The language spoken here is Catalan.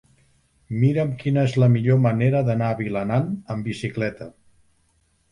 Mira'm quina és la millor manera d'anar a Vilanant amb bicicleta.